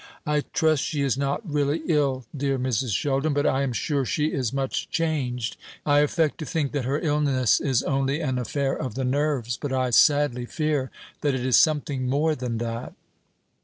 "I trust she is not really ill, dear Mrs. Sheldon; but I am sure she is much changed. In talking to her, I affect to think that her illness is only an affair of the nerves; but I sadly fear that it is something more than that."